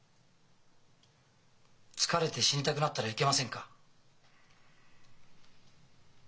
疲れて死にたくなったらいけませんか？